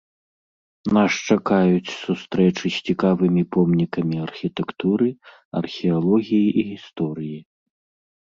Нас чакаюць сустрэчы з цікавымі помнікамі архітэктуры, археалогіі і гісторыі.